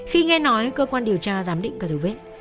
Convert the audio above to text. khi nghe nói cơ quan điều tra giám định các dấu vết